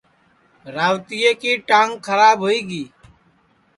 روتیئے کی ٹانگ کھراب ہوئی گی